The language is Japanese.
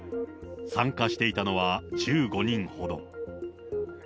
参加していたのは、１５人ほど。